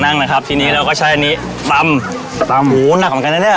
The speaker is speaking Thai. นั่งนะครับทีนี้เราก็ใช้อันนี้ตำตำหมูหนักเหมือนกันนะเนี่ย